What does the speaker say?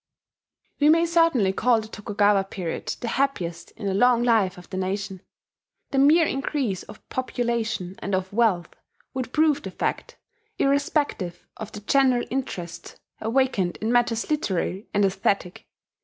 We may certainly call the Tokugawa period the happiest in the long life of the nation. The mere increase of population and of wealth would prove the fact, irrespective of the general interest awakened in matters literary and aesthetic.